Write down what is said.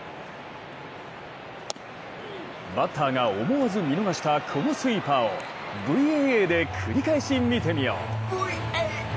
バッターが思わず見逃したこのスイーパーをＶＡＡで繰り返し見てみよう。